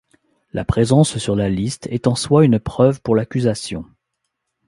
La présence sur la liste est en soi une preuve pour l'accusation.